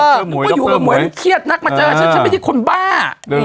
ผมก็อยู่มาเหมือนเครียดนักมาเจอฉันฉันไม่ได้คนบ้า